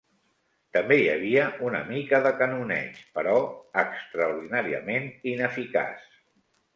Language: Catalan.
També hi havia una mica de canoneig, però extraordinàriament ineficaç